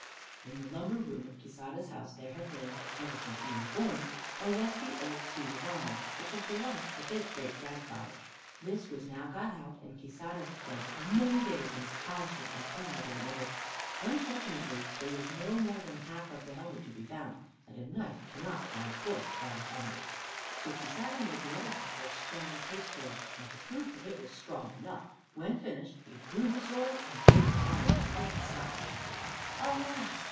In the lumber room of Quixada's house there had lain, ever since he was born, a rusty old suit of armor, which had belonged to his great grandfather. This was now got out, and Quixada spent many days in polishing and putting it in order. Unfortunately, there was no more than half of the helmet to be found, and a knight cannot ride forth without a helmet. So Quixada made the other half of strong pasteboard; and to prove that it was strong enough, when finished, he drew his sword and gave the helmet a great slash. Alas!